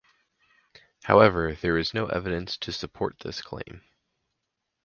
However there is no evidence to support this claim.